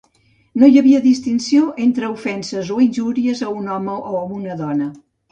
No hi havia distinció entre ofenses o injúries a un home o a una dona.